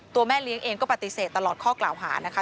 แม่เลี้ยงเองก็ปฏิเสธตลอดข้อกล่าวหานะคะ